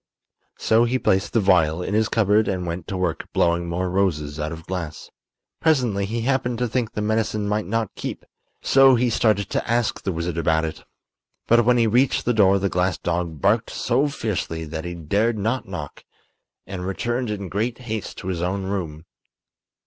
So he placed the vial in his cupboard and went to work blowing more roses out of glass. Presently he happened to think the medicine might not keep, so he started to ask the wizard about it. But when he reached the door the glass dog barked so fiercely that he dared not knock, and returned in great haste to his own room.